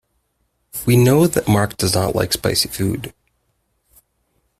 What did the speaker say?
We know that Mark does not like spicy food.